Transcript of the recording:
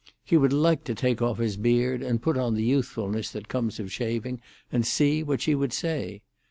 He would like to take off his beard and put on the youthfulness that comes of shaving, and see what she would say.